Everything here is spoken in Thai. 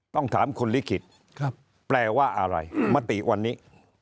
ต้องถามคุณลิขิตแปลว่าอะไรมติวันนี้